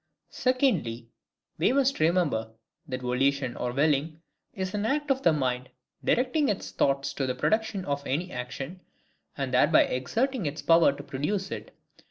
Secondly, we must remember, that VOLITION or WILLING is an act of the mind directing its thought to the production of any action, and thereby exerting its power to produce it.